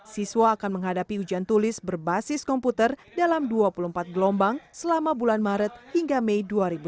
siswa akan menghadapi ujian tulis berbasis komputer dalam dua puluh empat gelombang selama bulan maret hingga mei dua ribu dua puluh